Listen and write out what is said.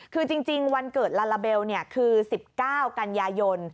คือจริงวันเกิดลาลาเบลคือ๑๙กันยายน